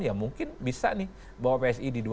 ya mungkin bisa nih bawa psi di dua ribu dua puluh empat